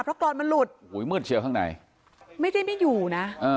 เพราะกรอนมันหลุดอุ้ยมืดเชียวข้างในไม่ได้ไม่อยู่นะ